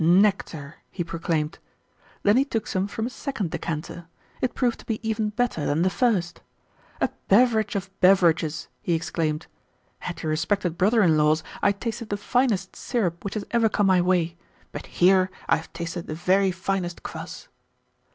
"Nectar!" he proclaimed. Then he took some from a second decanter. It proved to be even better than the first. "A beverage of beverages!" he exclaimed. "At your respected brother in law's I tasted the finest syrup which has ever come my way, but here I have tasted the very finest kvass."